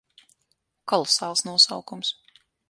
Kolosāls nosaukums.